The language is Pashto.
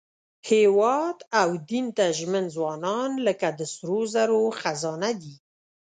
هېواد او دین ته ژمن ځوانان لکه د سرو زرو خزانه دي.